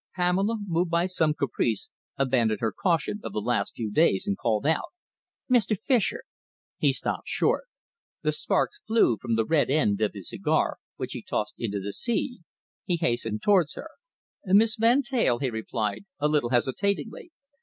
Pamela, moved by some caprice, abandoned her caution of the last few days and called out. "Mr. Fischer!" He stopped short. The sparks flew from the red end of his cigar, which he tossed into the sea. He hastened towards her. "Miss Van Teyl?" he replied, a little hesitatingly.